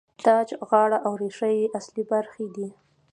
تاج، غاړه او ریښه یې اصلي برخې دي.